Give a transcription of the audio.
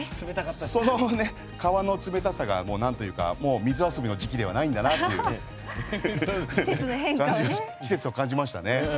その川の冷たさが、なんというか水遊びの時期ではないんだなって季節を感じましたね。